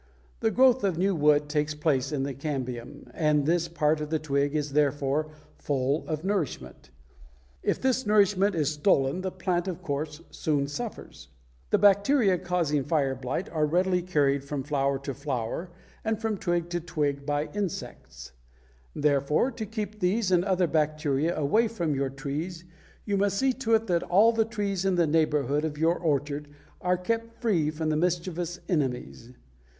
The growth of new wood takes place in the cambium, and this part of the twig is therefore full of nourishment. If this nourishment is stolen the plant of course soon suffers. The bacteria causing fire blight are readily carried from flower to flower and from twig to twig by insects; therefore to keep these and other bacteria away from your trees you must see to it that all the trees in the neighborhood of your orchard are kept free from mischievous enemies.